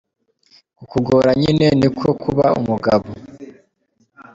Ku kugora nyine niko kuba umugabo.